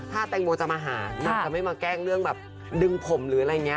ถ้าแตงโมจะมาหาหนักจะไม่มาแกล้งเรื่องแบบดึงผมหรืออะไรอย่างนี้